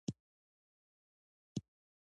آیا ښځې په کور کې کار کوي؟